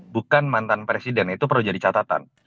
bukan mantan presiden itu perlu jadi catatan